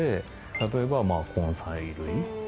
例えば根菜類。